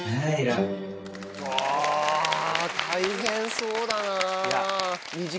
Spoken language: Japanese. あぁ大変そうだな。